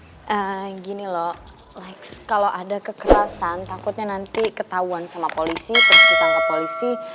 eee gini lo lex kalo ada kekerasan takutnya nanti ketahuan sama polisi terus ditangkap polisi